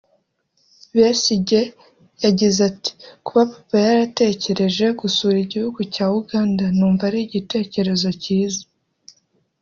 Besigye yagize ati “Kuba papa yaratekereje gusura Igihugu cya Uganda numva ari igitekerezo kiza